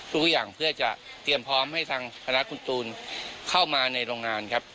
ทุกอย่างเพื่อจะเตรียมพร้อมให้ทางคณะคุณตูนเข้ามาในโรงงานครับ